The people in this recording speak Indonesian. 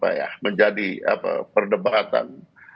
yang sekarang menjadi perdebatan